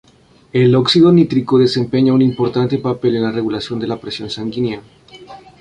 El óxido nítrico desempeña un importante papel en la regulación de la presión sanguínea.